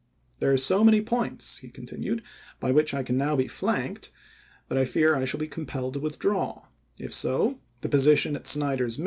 There are so many points," he continued, " by which I can be flanked, that I fear I shall be com pelled to withdraw ; if so, the position at Snyder's Vol.